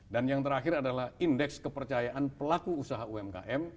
dan yang terakhir adalah indeks kepercayaan pelaku usaha umkm